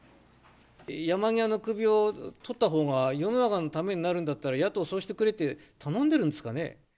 山際の首を取ったほうが世の中のためになるんだったら野党、そうしてくれって頼んでるんですかね。